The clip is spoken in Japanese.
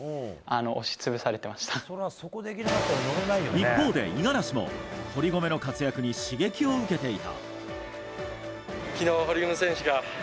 一方で五十嵐も堀米の活躍に刺激を受けていた。